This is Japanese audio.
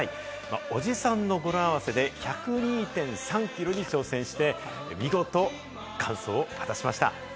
「おじさん」の語呂合わせで１０２．３ｋｍに挑戦して見事、完走を果たしました。